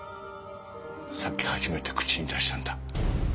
さっき初めて口に出したんだ